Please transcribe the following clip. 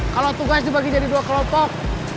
kalau tugas dibagi jadi dua kelompok